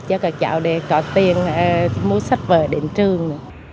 cho các cháu để có tiền mua sách vở đến trường